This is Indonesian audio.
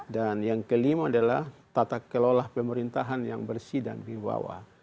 dan yang kelima adalah tata kelola pemerintahan yang bersih dan berbawah